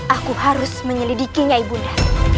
aku harus menyelidikinya ibu nda